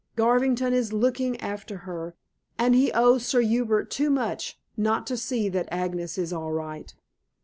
"Garvington is looking after her, and he owes Sir Hubert too much, not to see that Agnes is all right."